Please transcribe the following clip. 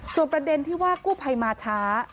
ส่วนประเด็นที่ว่ากู้ภัยมาช้า